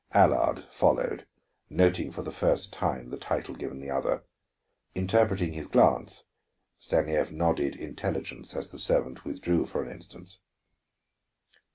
Allard followed, noting for the first time the title given the other. Interpreting his glance, Stanief nodded intelligence as the servant withdrew for an instant.